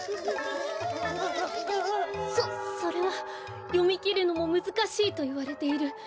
そそれはよみきるのもむずかしいといわれている